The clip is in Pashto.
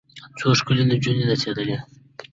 څو ښکلې نجونې نڅېدلې.